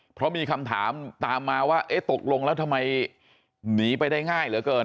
เพราะมีคำถามตามมาว่าเอ๊ะตกลงแล้วทำไมหนีไปได้ง่ายเหลือเกิน